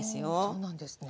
そうなんですね。